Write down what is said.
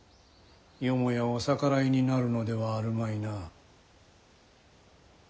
よもやお逆らいになるのではあるまいな？